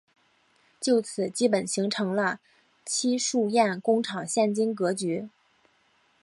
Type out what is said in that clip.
就此基本形成了戚墅堰工厂现今格局。